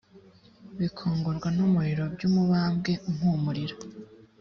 bikongorwa n’umuriro by’umubabwe umpumurira